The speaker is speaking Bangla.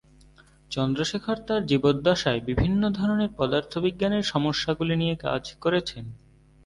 চন্দ্রশেখর তার জীবদ্দশায় বিভিন্ন ধরনের পদার্থবিজ্ঞানের সমস্যাগুলি নিয়ে কাজ করেছেন।